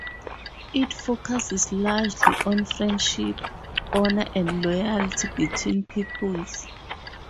It focuses largely on friendship, honor and loyalty between pupils.